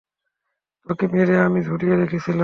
তাকে মেরে আমি ঝুলিয়ে রেখেছিলাম।